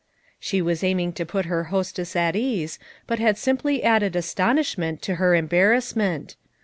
She was aiming to put her hostess at ease, but had simply added astonishment to her em barrassment.